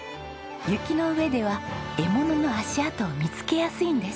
雪の上では獲物の足跡を見つけやすいんです。